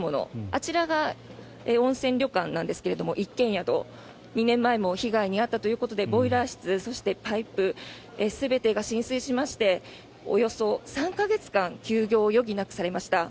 あちらが温泉旅館なんですが一軒宿と、２年前も被害に遭ったということでボイラー室、そしてパイプ全てが浸水しましておよそ３か月間休業を余儀なくされました。